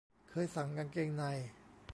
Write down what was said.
เคยสั่งกางเกงใน